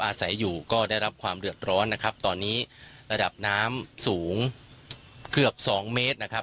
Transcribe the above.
อาศัยอยู่ก็ได้รับความเดือดร้อนนะครับตอนนี้ระดับน้ำสูงเกือบสองเมตรนะครับ